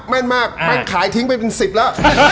แม่นมากแม่นขายทิ้งไปเป็น๑๐แล้ว